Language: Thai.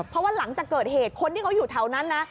เพราะว่าหลังจากเกิดเหตุคนที่เขาอยู่แถวนั้นนะ